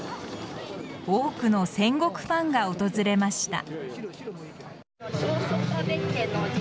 多くの戦国ファンが訪れました。